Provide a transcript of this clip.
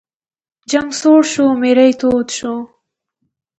جنګ سوړ شو، میری تود شو.